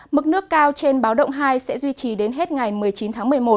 mức nước cao trên báo động hai sẽ duy trì đến hết ngày một mươi chín tháng một mươi một